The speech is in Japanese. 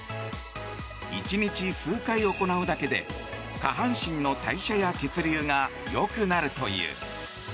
１日数回行うだけで下半身の代謝や血流がよくなるという。